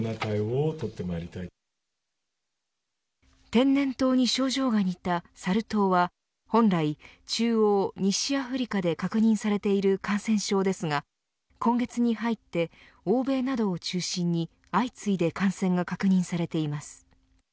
天然痘に症状が似たサル痘は本来、中央・西アフリカで確認されている感染症ですが今月に入って欧米などを中心に相次いで感染が確認されています。